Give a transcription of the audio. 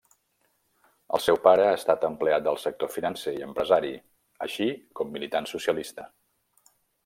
El seu pare ha estat empleat del sector financer i empresari, així com militant socialista.